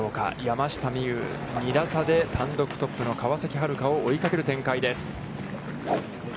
山下美夢有、２打差で単独トップの川崎春花を追いかける展開です。